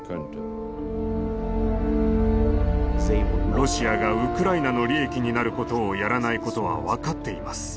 ロシアがウクライナの利益になることをやらないことは分かっています。